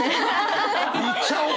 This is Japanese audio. いっちゃおう！